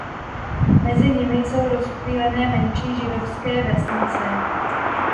Mezi nimi jsou rozptýlené menší židovské vesnice.